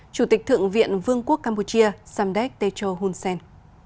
chủ tịch thượng viện vương quốc campuchia samdek techo hunsen